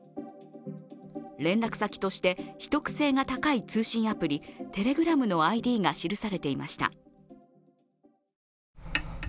連絡先として、秘匿性が高い通信アプリ・ＴｅｌｅｇｒａｍのＩＤが記されていました。